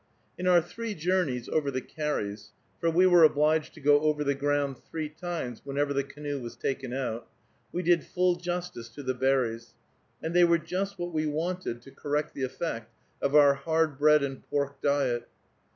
In our three journeys over the carries, for we were obliged to go over the ground three times whenever the canoe was taken out, we did full justice to the berries, and they were just what we wanted to correct the effect of our hard bread and pork diet.